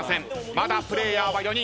まだプレイヤーは４人。